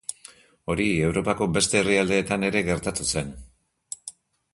Hori Europako beste herrialdeetan ere gertatu zen.